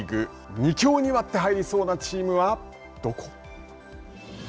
２強に割って入りそうなチームはどこ？